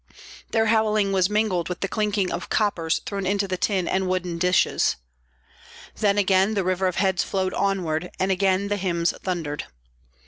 Their howling was mingled with the clinking of coppers thrown into tin and wooden dishes. Then again the river of heads flowed onward, and again the hymns thundered.